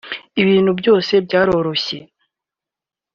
ibintu byose byaroroshye